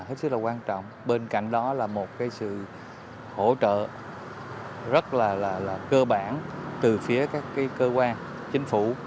rất là quan trọng bên cạnh đó là một cái sự hỗ trợ rất là là cơ bản từ phía các cái cơ quan chính phủ